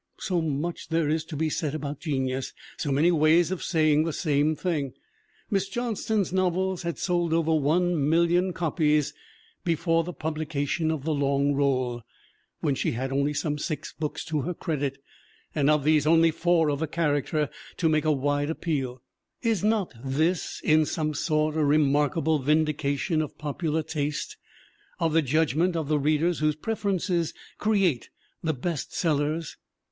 So much there is to be said about genius, so many ways of saying the same thing ! Miss Johnston's novels had sold over 1,000,000 copies before the pub lication of The Long Roll, when she had only some six books to her credit and of these only four of a character to make a wide appeal. Is not this in some sort a re markable vindication of popular taste, of the judgment of the readers whose preferences create the "best sell ers"?